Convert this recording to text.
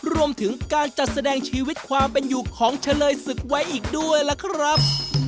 รวมถึงการจัดแสดงชีวิตความเป็นอยู่ของเฉลยศึกไว้อีกด้วยล่ะครับ